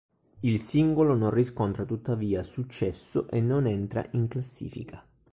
Il singolo non riscontra tuttavia successo e non entra in classifica.